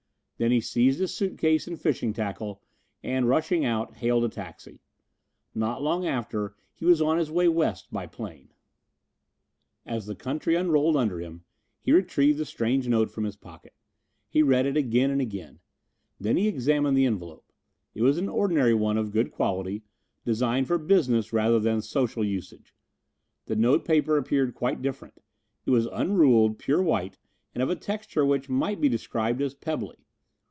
Then he seized his suitcase and fishing tackle, and, rushing out, hailed a taxi. Not long after he was on his way west by plane. As the country unrolled under him he retrieved the strange note from his pocket. He read it again and again. Then he examined the envelope. It was an ordinary one of good quality, designed for business rather than social usage. The note paper appeared quite different. It was unruled, pure white, and of a texture which might be described as pebbly.